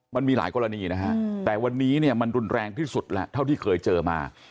มันมีหลายกรณีนะฮะแต่วันนี้เนี่ยมันรุนแรงที่สุดแล้วเท่าที่เคยเจอมา